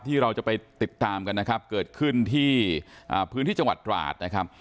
ที่เราจะไปติดตามกันนะครับเกิดขึ้นที่พื้นที่จังหวัดตราดนะครับ